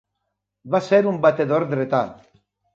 Va ser un batedor dretà.